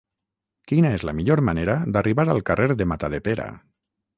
Quina és la millor manera d'arribar al carrer de Matadepera?